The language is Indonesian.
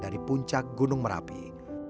dan dia menemukan kekuasaan yang sangat menarik